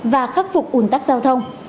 và khắc phục ủn tắc giao thông